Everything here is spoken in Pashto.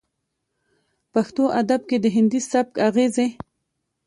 پښتو ادب کې د هندي سبک اغېزې